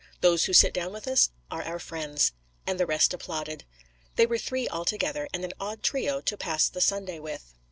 'Those who sit down with us are our friends.' And the rest applauded. They were three altogether, and an odd trio to pass the Sunday with.